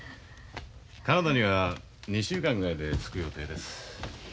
カナダには２週間ぐらいで着く予定です。